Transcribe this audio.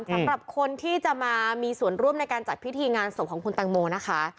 สำหรับคนที่จะมามีส่วนร่วมในการจัดพิธีงานศพของคุณตังโมนะคะ